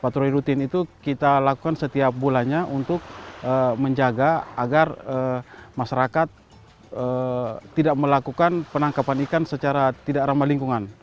patroli rutin itu kita lakukan setiap bulannya untuk menjaga agar masyarakat tidak melakukan penangkapan ikan secara tidak ramah lingkungan